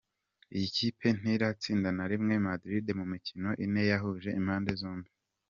Iyi kipe ntiratsinda na rimwe Madrid mu mikino ine yahuje impande zombi.